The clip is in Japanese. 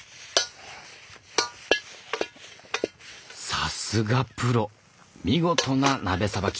さすがプロ見事な鍋さばき。